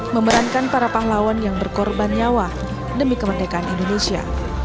memerankan para pahlawan yang berkorban nyawa demi kemerdekaan indonesia